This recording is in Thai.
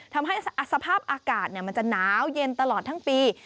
ทำให้สภาพอากาศมันจะหนาวเย็นตลอดทั้งปี